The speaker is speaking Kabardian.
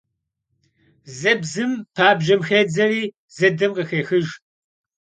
Zıbzım pabjem xêdzeri zıdım khıxêxıjj.